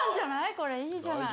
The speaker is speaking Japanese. これいいじゃない。